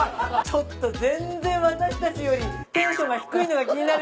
ちょっと全然私たちよりテンションが低いのが気になるけど。